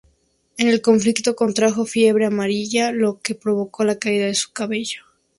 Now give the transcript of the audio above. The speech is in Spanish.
En el conflicto contrajo fiebre amarilla, lo que provocó la caída de su cabello.